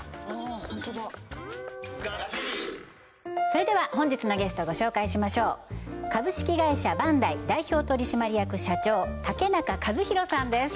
それでは本日のゲストご紹介しましょう株式会社バンダイ代表取締役社長竹中一博さんです